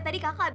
ntar ya maksudmu